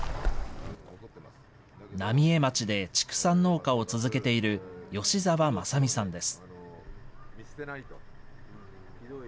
浪江町で畜産農家を続けている吉沢正巳さんです。